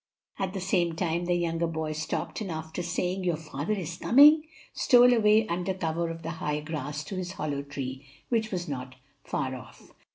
At the same time the younger boy stopped, and after saying, "Your father is coming," stole away under cover of the high grass to his hollow tree, which was not far off.